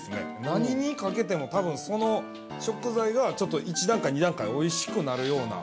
何にかけても、多分、その食材が１段階、２段階おいしくなるような。